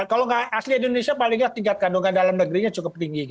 kalau nggak asli indonesia palingnya tingkat kandungan dalam negerinya cukup tinggi gitu ya